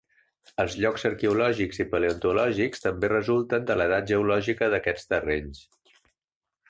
Els llocs arqueològics i paleontològics també resulten de l'edat geològica d'aquests terrenys.